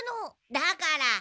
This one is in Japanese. だから。